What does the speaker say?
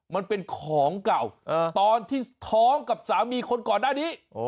มันเป็นของเก่าตอนที่ท้องกับสามีคนก่อนหน้านี้